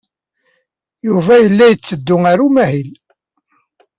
Yuba yella yetteddu ɣer umahil.